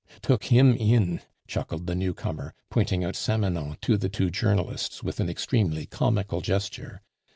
"Took him in!" chuckled the newcomer, pointing out Samanon to the two journalists with an extremely comical gesture.